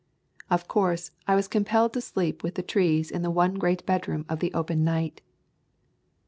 Of course, I was compelled to sleep [ 29 ] ADA with the trees in the one great bedroom of the open night.